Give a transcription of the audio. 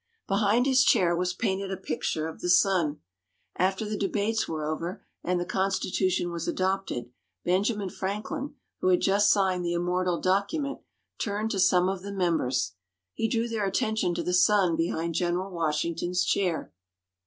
Behind his chair was painted a picture of the sun. After the debates were over and the Constitution was adopted, Benjamin Franklin, who had just signed the immortal Document, turned to some of the members. He drew their attention to the sun behind General Washington's chair.